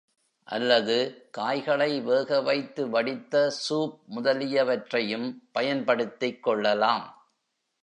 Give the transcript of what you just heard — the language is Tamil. அல்லது காய்களை வேக வைத்து வடித்த சூப் முதலியவற்றையும் பயன்படுத்திக் கொள்ளலாம்.